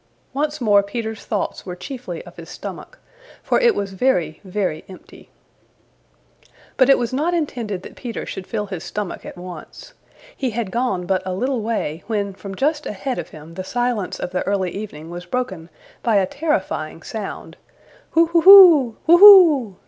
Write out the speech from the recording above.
Once more Peter's thoughts were chiefly of his stomach, for it was very, very empty. But it was not intended that Peter should fill his stomach at once. He had gone but a little way when from just ahead of him the silence of the early evening was broken by a terrifying sound "Whooo hoo hoo, whooo hoo!"